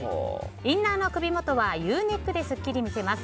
インナーの首元はＵネックで、すっきり見せます。